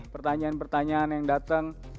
pertanyaan pertanyaan yang datang